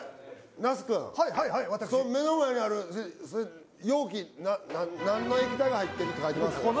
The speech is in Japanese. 那須君はいはいはい私何の液体が入ってるって書いてます？